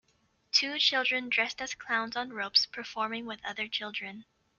Two children dressed as clowns on ropes performing with other children.